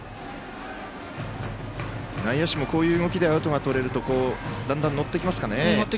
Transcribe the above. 内野手もこういう動きでアウトをとれると乗ってきますね。